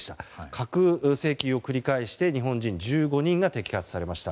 架空請求を繰り返して日本人１５人が摘発されました。